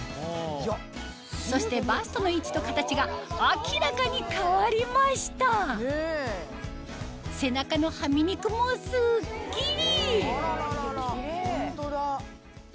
そしてバストの位置と形が明らかに変わりました背中のハミ肉もスッキリ！